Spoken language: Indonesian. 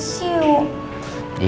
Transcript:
saya juga sedih